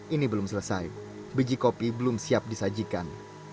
ini belum selesai biji kopi belum siap disajikan